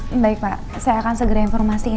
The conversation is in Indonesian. aku insane banget setelah balik dari syurga bastante